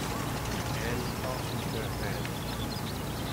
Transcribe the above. Anne clasped her hands.